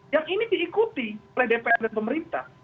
yang ini diikuti oleh dpr dan pemerintah